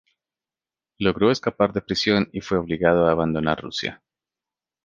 Logró escapar de prisión y fue obligado a abandonar Rusia.